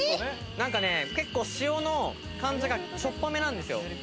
なんかね、結構、塩の感じがしょっぱめなんですよ。